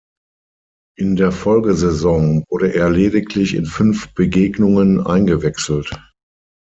In der Folgesaison wurde er lediglich in fünf Begegnungen eingewechselt.